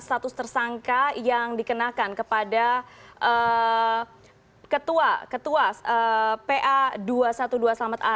status tersangka yang dikenakan kepada ketua pa dua ratus dua belas selamat a